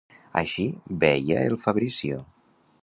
Així veia el Fabrizio.